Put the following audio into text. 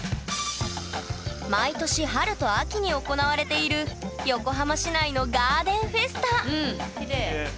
毎年春と秋に行われている横浜市内のガーデンフェスタ！